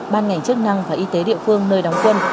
ban ngành chức năng và y tế địa phương nơi đóng quân